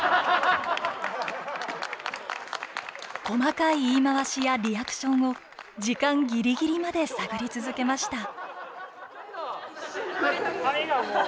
細かい言い回しやリアクションを時間ギリギリまで探り続けました。